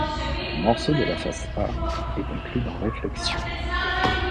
Le morceau de la face A est inclus dans Rephlexions!